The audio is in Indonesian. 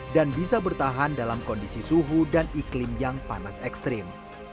dan bisa bertahan dalam kondisi suhu dan iklim yang panas ekstrim